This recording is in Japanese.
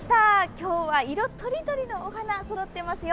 今日は色とりどりのお花そろっていますよ。